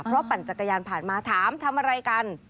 เพราะปั่นจักรยานผ่านมาถามทำอะไรกัน